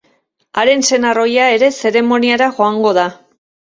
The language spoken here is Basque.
Haren senar ohia ere zeremoniara joango da.